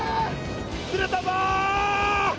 釣れたぞ！